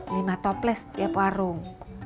lima toples tiap warung